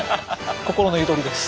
心のゆとりです。